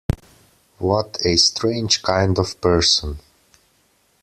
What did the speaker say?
What a strange kind of person!